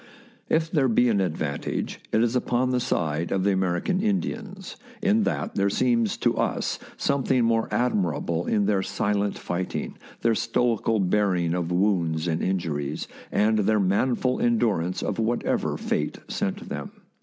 If there be an advantage, it is upon the side of the American Indians, in that there seems to us something more admirable in their silent fighting, their stoical bearing of wounds THE BOOK OF FAMOUS SIEGES and injuries, and their manful endurance of what ever fate sent them.